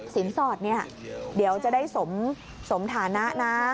สอดเนี่ยเดี๋ยวจะได้สมฐานะนะ